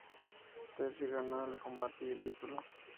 Thesz ganó el combate y el título.